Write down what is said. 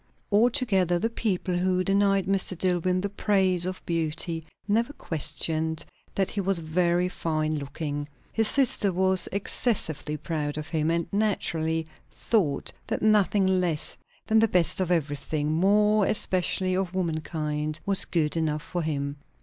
Altogether, the people who denied Mr. Dillwyn the praise of beauty, never questioned that he was very fine looking. His sister was excessively proud of him, and, naturally thought that nothing less than the best of everything more especially of womankind was good enough for him.